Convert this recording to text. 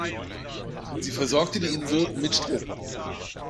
Sie versorgte die Insel mit Strom.